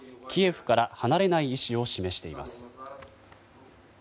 キエフから離れない意思を示しています。